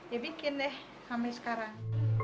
ya bikin deh kami sekarang